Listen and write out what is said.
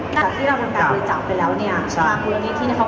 จากที่เราทำการคุยจับไปแล้วเนี่ยคุณพุทธนิทธินะครับ